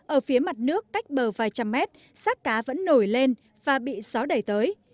ở phía mặt nước cách bờ vài trăm mét rác cá vẫn nổi lên và bị gió đẩy tới